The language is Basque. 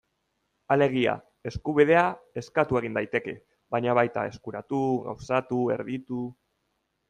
Alegia, eskubidea eskatu egin daiteke, baina baita eskuratu, gauzatu, erditu...